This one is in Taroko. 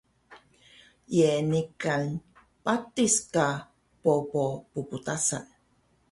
Ye niqan patis ka bobo pptasan?